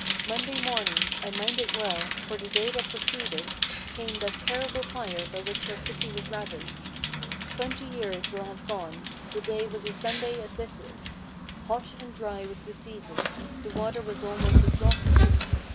Monday morning I mind it well; for the day that preceded Came that terrible fire by which our city was ravaged Twenty years will have gone. The day was a Sunday as this is; Hot and dry was the season; the water was almost exhausted.